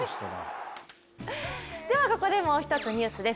ここでもう１つニュースです